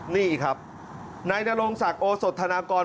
นี่ครับนายนรงศักดิ์โอสดธนากร